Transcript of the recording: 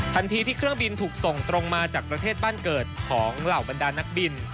ทันทีที่เครื่องบินถูกส่งตรงมาจากประเทศบ้านเกิดของเหล่าบรรดานักบิน